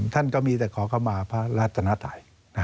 ท่านก็มีแต่ขอเข้ามาพระราชนาไทย